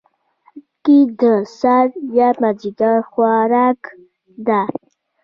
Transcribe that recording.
خټکی د سهار یا مازدیګر خوراک ده.